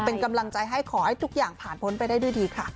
เป็นกำลังใจให้ขอให้ทุกอย่างผ่านพ้นไปได้ด้วยดีค่ะ